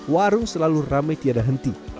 warung selalu ramai tiada henti